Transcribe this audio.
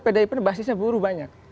pdip ini basisnya buru banyak